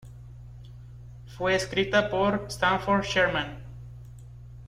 Fue escrita por Stanford Sherman.